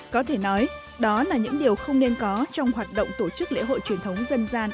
có thể nói đó là những điều không nên có trong hoạt động tổ chức lễ hội truyền thống dân gian